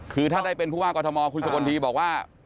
คือถ้าได้เป็นผู้ว่ากรทมคุณสกลทีบอกว่า